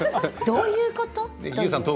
どういうこと？と思って。